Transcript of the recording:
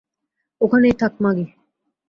ওখানেই থাক, মাগী।